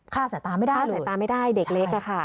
ฆ่าสายตาไม่ได้ฆ่าสายตาไม่ได้เด็กเล็กอะค่ะ